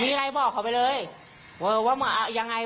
มึงอยากให้ผู้ห่างติดคุกหรอ